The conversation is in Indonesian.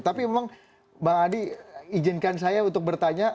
tapi memang bang adi izinkan saya untuk bertanya